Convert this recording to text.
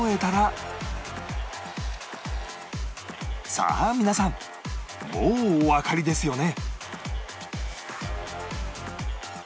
さあ皆さんもうおわかりですよね？